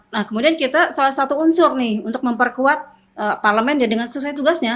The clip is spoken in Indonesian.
nah kemudian kita salah satu unsur nih untuk memperkuat parlemen ya dengan sesuai tugasnya